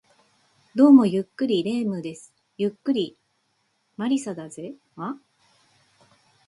どうも、ゆっくり霊夢です。ゆっくり魔理沙だぜ